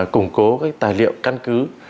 củng cố tài liệu căn cứ